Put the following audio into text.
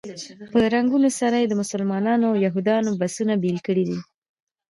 په رنګونو سره یې د مسلمانانو او یهودانو بسونه بېل کړي دي.